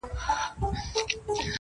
فخر په پلار او په نیکونو کوي٫